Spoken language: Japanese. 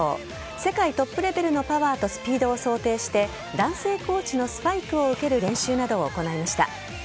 世界トップレベルのパワーとスピードを想定して男性コーチのスパイクを受ける練習などを行いました。